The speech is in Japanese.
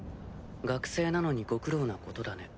学生なのにご苦労なことだね。